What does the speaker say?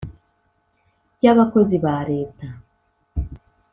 rya bakozi ba leta,